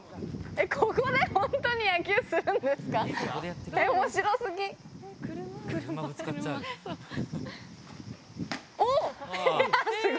ここで本当に野球するんですか？